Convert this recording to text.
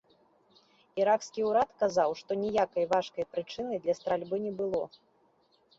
Іракскі ўрад казаў, што ніякай важкай прычыны для стральбы не было.